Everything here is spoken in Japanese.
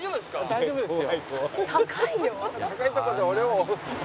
大丈夫ですよ。